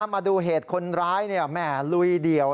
มาดูเหตุคนร้ายแหม่ลุยเดี่ยว